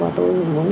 và tôi muốn